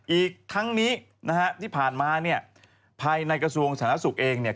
อีกทั้งนี้นะฮะที่ผ่านมาเนี่ยภายในกระทรวงสาธารณสุขเองเนี่ย